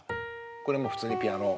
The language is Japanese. これもう普通にピアノ。